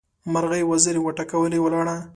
مرغۍ وزرې وټکولې؛ ولاړه.